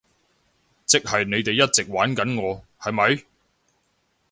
即係你哋一直玩緊我，係咪？